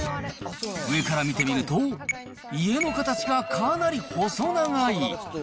上から見てみると、家の形がかなり細長い。